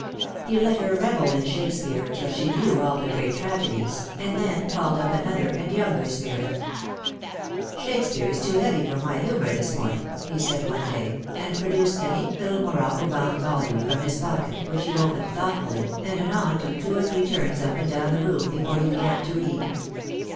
He let her revel in Shakespeare till she knew all the great tragedies, and then called up another and younger spirit. " Shakespeare is too heavy for my humour this morning," he said one day, and produced a neat little morocco bound volume from his pocket, which he opened thoughtfully, and anon took two or three turns up and down the room before he began to read.